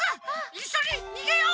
いっしょににげよう！